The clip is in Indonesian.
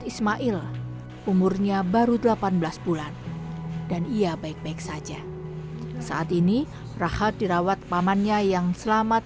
ismail umurnya baru delapan belas bulan dan ia baik baik saja saat ini rahat dirawat pamannya yang selamat